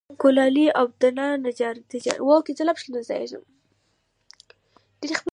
کولالي، اوبدنه، نجاري او ترکاڼي په کې شامل و.